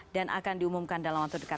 dan akan diumumkan dalam waktu dekat